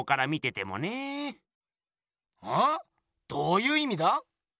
どういう意味だ？